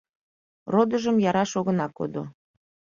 Родыжым яраш огына кодо, -